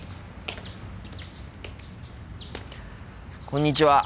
こんにちは。